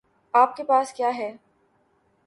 آپ کے پاس کیا ہے؟